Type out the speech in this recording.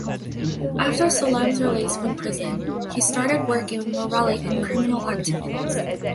After Salemme's release from prison, he started working with Morelli in criminal activities.